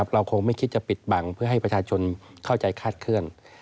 เราคงไม่คิดจะปิดบังเพื่อให้ประชาชนเข้าใจคาดเคลื่อน